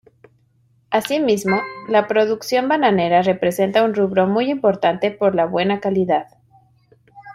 Así mismo, la producción bananera representa un rubro muy importante por la buena calidad.